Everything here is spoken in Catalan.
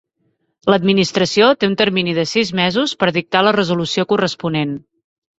L'Administració té un termini de sis mesos per dictar la resolució corresponent.